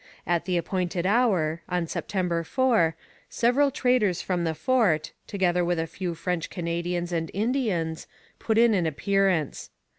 At the appointed hour, on September 4, several traders from the fort, together with a few French Canadians and Indians, put in an appearance.